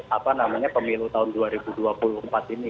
apa namanya pemilu tahun dua ribu dua puluh empat ini